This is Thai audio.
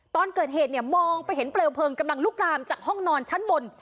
ตอนเกิดเหตุเนี่ยมองไปเห็นเปลวเพลิงกำลังลุกลามจากห้องนอนชั้นบน